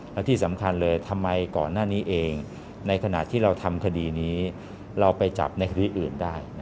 และที่สำคัญเลยทำไมก่อนหน้านี้เองในขณะที่เราทำคดีนี้เราไปจับในคดีอื่นได้